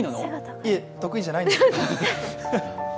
いえ、得意じゃないです。